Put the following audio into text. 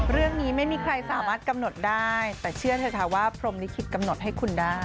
ไม่มีใครสามารถกำหนดได้แต่เชื่อเถอะค่ะว่าพรมลิขิตกำหนดให้คุณได้